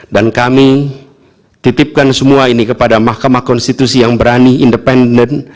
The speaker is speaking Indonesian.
dan kami titipkan semua ini kepada mahkamah konstitusi yang berani independen